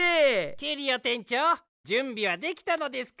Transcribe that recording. キュリオてんちょうじゅんびはできたのですか？